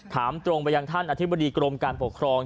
ถามตรงไปยังท่านอธิบดีกรมการปกครอง